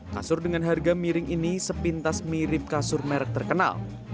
kasur dengan harga miring ini sepintas mirip kasur merek terkenal